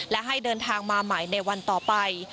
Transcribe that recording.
และให้เดินทางมาใหม่ในวันต่อไป